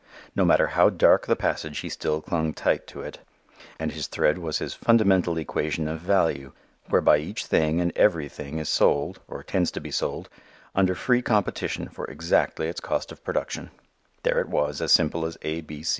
No matter how dark the passage, he still clung tight to it. And his thread was his "fundamental equation of value" whereby each thing and everything is sold (or tends to be sold) under free competition for exactly its cost of production. There it was; as simple as A.